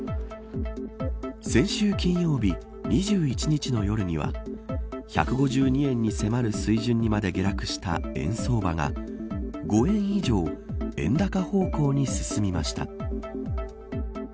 先週金曜日２１日の夜には１５２円に迫る水準にまで下落した円相場が５円以上円高方向に進みました。